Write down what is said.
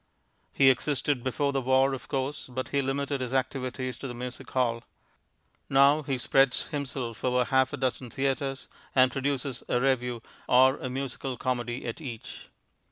He existed before the war, of course, but he limited his activities to the music hall. Now he spreads himself over half a dozen theatres, and produces a revue or a musical comedy at each.